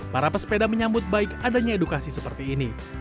para pesepeda menyambut baik adanya edukasi seperti ini